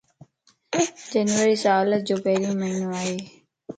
جنوري سال ءَ جو پھريون مھينو ائي.